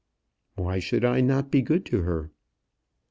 "Why should I not be good to her?"